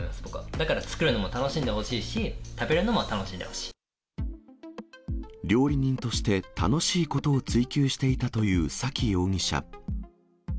だから作るのも楽しんでほしいし、料理人として、楽しいことを追求していたという崎容疑者。